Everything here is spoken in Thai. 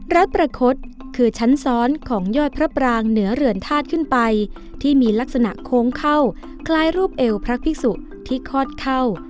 รัฐประคดคือชั้นซ้อนของยอดพระปรางเหนือเรือนธาตุขึ้นไปที่มีลักษณะโค้งเข้าคล้ายรูปเอวพระภิกษุที่คลอดเข้า